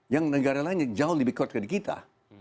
yang negara lainnya jauh lebih kuat dari kita